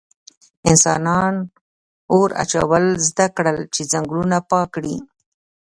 انسانان اور اچول زده کړل چې ځنګلونه پاک کړي.